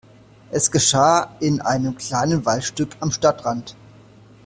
Es geschah in einem kleinen Waldstück am Stadtrand.